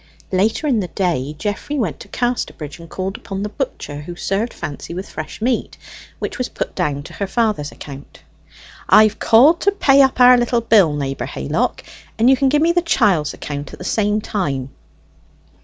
Later in the day Geoffrey went to Casterbridge and called upon the butcher who served Fancy with fresh meat, which was put down to her father's account. "I've called to pay up our little bill, Neighbour Haylock, and you can gie me the chiel's account at the same time."